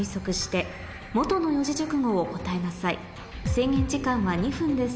制限時間は２分です